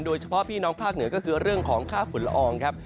โดยเฉพาะพี่น้องภาคเหนือก็คือเรื่องของค่าฝุ่นละอองครับ